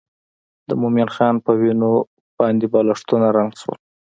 د مومن خان په وینو باندې بالښتونه رنګ شول.